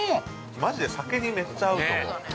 ◆マジで酒にめっちゃ合うと思う。